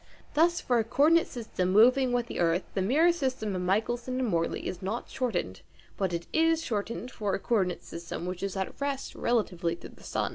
Thus for a co ordinate system moving with the earth the mirror system of Michelson and Morley is not shortened, but it is shortened for a co ordinate system which is at rest relatively to the sun.